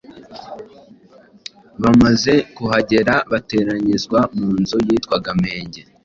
Bamaze kuhagera bateranyirizwa mu nzu yitwaga Menge